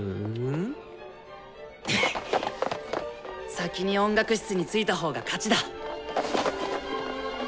先に音楽室に着いたほうが勝ちだ！